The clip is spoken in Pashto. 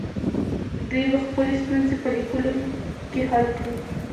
دوی به خپلې ستونزې په لیکلو کې حل کړي.